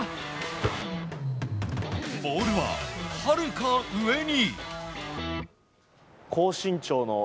ボールははるか上に！